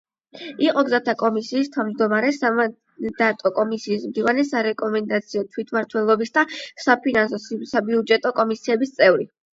იყო გზათა კომისიის თავმჯდომარე, სამანდატო კომისიის მდივანი, სარეკომენდაციო, თვითმმართველობის და საფინანსო-საბიუჯეტო კომისიების წევრი.